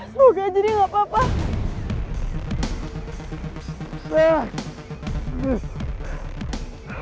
semoga aja dia nggak apa apa